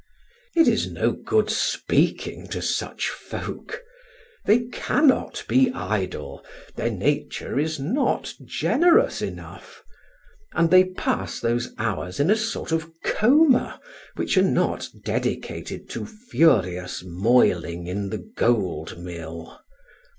It is no good speaking to such folk: they cannot be idle, their nature is not generous enough; and they pass those hours in a sort of coma, which are not dedicated to furious moiling in the gold mill.